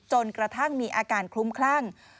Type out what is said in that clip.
จนกระทั่งมีอาการคลุ้มคลั่ง